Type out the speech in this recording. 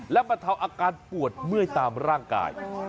และบรรเทาอาการปวดเมื่อยตามร่างกาย